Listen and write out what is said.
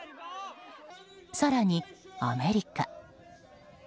更にアメリカ。